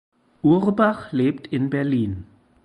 Urbach lebt in Berlin.